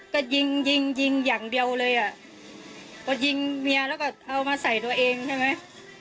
ก็ยิงยิงยิงอย่างเดียวเลยอ่ะก็ยิงเมียแล้วก็เอามาใส่ตัวเองใช่ไหม